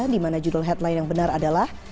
di mana judul headline yang benar adalah